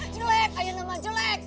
jelek ayah nama jelek